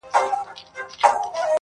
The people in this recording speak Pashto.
خدای درکړي دي غښتلي وزرونه!!